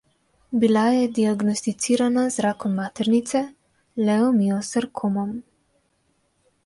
Bila je diagnosticirana z rakom maternice, leomiosarkmom.